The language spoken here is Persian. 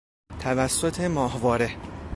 توسط ماهواره